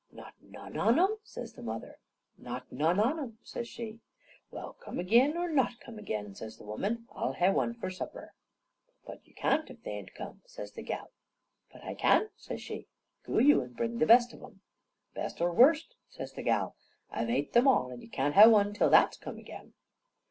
"Not none on 'em?" says the mother. "Not none on 'em," says she. "Well, come agin, or not come agin," says the woman, "I'll ha' one for supper." "But you can't, if they ain't come," says the gal. "But I can," says she. "Goo you and bring the best of 'em." "Best or worst," says the gal, "I've ate 'em all, and you can't ha' one till that's come agin."